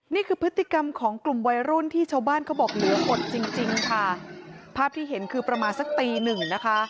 นี่คือพฤติกรรมของกลุ่มวัยรุ่นที่ชาวบ้านเขาบอกเหลืออดจริงจริงค่ะภาพที่เห็นคือประมาณสักตีหนึ่งนะคะ